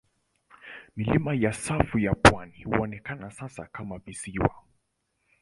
Milima ya safu ya pwani huonekana sasa kama visiwa.